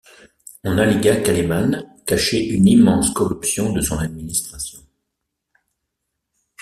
On allégua qu'Alemán cachait une immense corruption de son administration.